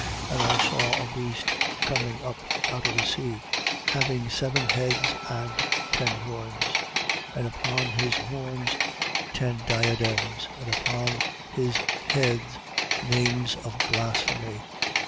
13:1. And I saw a beast coming up out the sea, having seven heads and ten horns: and upon his horns, ten diadems: and upon his heads, names of blasphemy.